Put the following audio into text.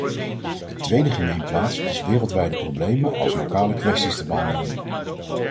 De tweede gemeenplaats is wereldwijde problemen als lokale kwesties te behandelen.